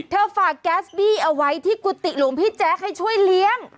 ฝากแก๊สบี้เอาไว้ที่กุฏิหลวงพี่แจ๊คให้ช่วยเลี้ยง